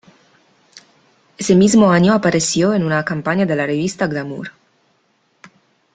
Ese mismo año apareció en una campaña de la revista "Glamour".